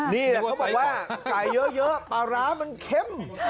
นี่แหละเขาบอกว่าใส่เยอะปลาร้ามันเข้ม